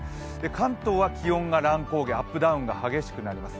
関東は気温が乱高下、アップダウンが激しくなります。